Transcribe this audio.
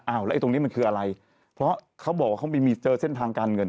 แล้วไอตรงนี้มันคืออะไรเพราะเขาบอกว่าเขาเจอเส้นทางการเงิน